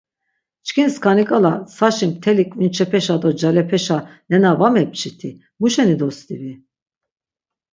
Çkin skani k̆ala tsaşi mteli k̆vinçepeşa do calepeşa nena va mepçiti, muşeni dostibi?